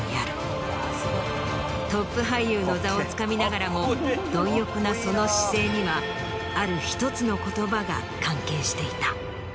トップ俳優の座をつかみながらも貪欲なその姿勢にはある１つの言葉が関係していた。